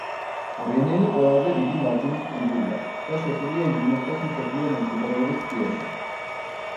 რენელი ყველაზე დიდი მარჯნის კუნძულია და შესულია იუნესკოს მსოფლიო მემკვიდრეობის სიაში.